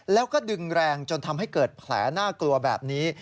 แล้วก็ดึงแรงจนทำให้เกิดแผลน่ากลัวแบบนี้